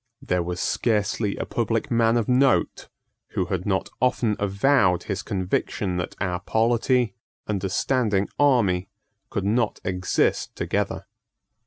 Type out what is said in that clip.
There was scarcely a public man of note who had not often avowed his conviction that our polity and a standing army could not exist together.